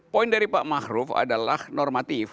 poin dari pak maruf adalah normatif